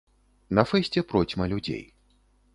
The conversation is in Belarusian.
На фэсце процьма людзей.